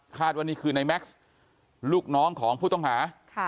ว่านี่คือในแม็กซ์ลูกน้องของผู้ต้องหา